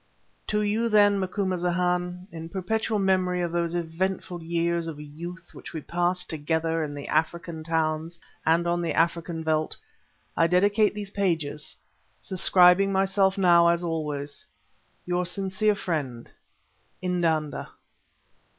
To you then, Macumazahn, in perpetual memory of those eventful years of youth which we passed together in the African towns and on the African veldt, I dedicate these pages, subscribing myself now as always, Your sincere friend, Indanda.